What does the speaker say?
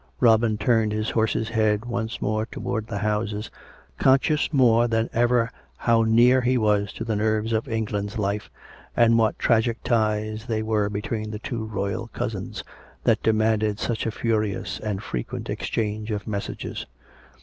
Robin turned his horse's head once more towards the houses, conscious more than ever how near he was to the nerves of England's life, and what tragic ties they were between the two royal cousins, that demanded such a furious and frequent exchange of messages.